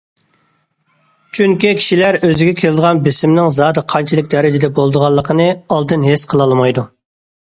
چۈنكى كىشىلەر ئۆزىگە كېلىدىغان بېسىمنىڭ زادى قانچىلىك دەرىجىدە بولىدىغانلىقىنى ئالدىن ھېس قىلالمايدۇ.